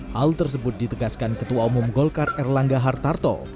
hal tersebut ditegaskan ketua umum golkar erlangga hartarto